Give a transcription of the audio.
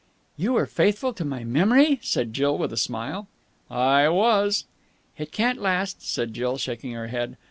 "You were faithful to my memory?" said Jill with a smile. "I was." "It can't last," said Jill, shaking her head.